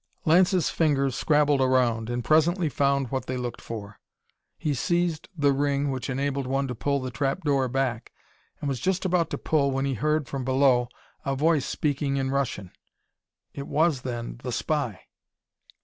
Lance's fingers scrabbled around, and presently found what they looked for. He seized the ring which enabled one to pull the trap door back, and was just about to pull when he heard, from below, a voice speaking in Russian. It was, then, the spy!